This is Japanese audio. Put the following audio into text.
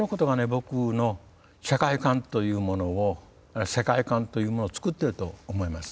僕の社会観というものを世界観というものを作ってたと思います。